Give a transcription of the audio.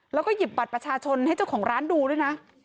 แล้วก็หยิบบัตรประชาชนให้เจ้าของร้านดูด้วยนะ